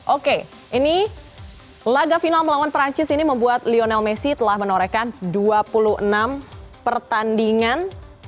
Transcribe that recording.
oke ini laga final melawan perancis ini membuat lionel messi telah menorehkan dua puluh enam pertandingan